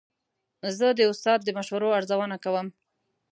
زه د استاد د مشورو ارزونه کوم.